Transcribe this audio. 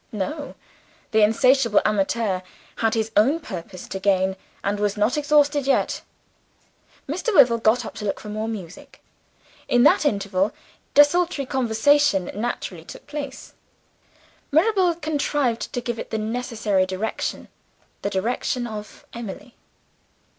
No: the insatiable amateur had his own purpose to gain, and was not exhausted yet. Mr. Wyvil got up to look for some more music. In that interval desultory conversation naturally took place. Mirabel contrived to give it the necessary direction the direction of Emily.